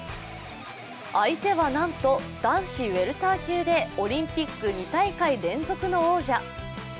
相手はなんと男子ウエルター級でオリンピック２大会連続の王者。